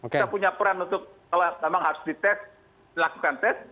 kita punya peran untuk kalau memang harus di tes melakukan tes